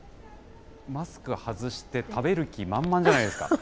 マスク外して食べる気満々じゃないですか。